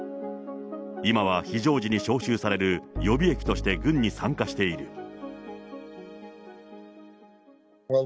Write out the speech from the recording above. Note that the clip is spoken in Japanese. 今は非常時に招集される予備役として軍に参加している。